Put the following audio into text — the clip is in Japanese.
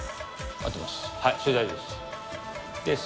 合ってます。